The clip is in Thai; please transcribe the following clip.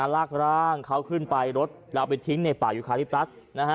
ลากร่างเขาขึ้นไปรถแล้วเอาไปทิ้งในป่ายุคาลิปตัส